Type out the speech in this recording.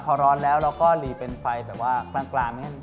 พอร้อนแล้วเราก็หลีเป็นไฟแต่ว่ากลาง